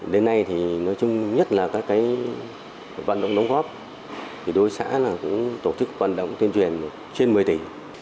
đến nay nhất là các vận động đóng góp đối với xã cũng tổ chức vận động tuyên truyền trên một mươi tỷ